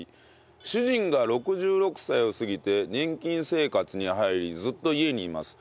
主人が６６歳を過ぎて年金生活に入りずっと家にいます。